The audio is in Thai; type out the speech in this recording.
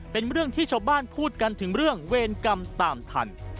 เป็นเรื่องที่ชาวบ้านพูดกันถึงเรื่องเวรกรรมตามทัน